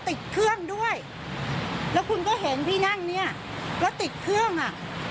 ติดเครื่องด้วยแล้วคุณก็เห็นพี่นั่งเนี้ยแล้วติดเครื่องอ่ะ